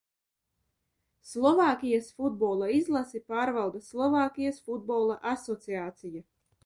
Slovākijas futbola izlasi pārvalda Slovākijas Futbola asociācija.